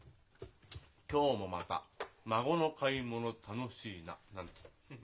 「今日もまた孫の買い物楽しいな」なんてフフッ。